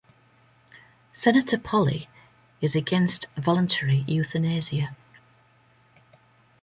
Senator Polley is against voluntary euthanasia.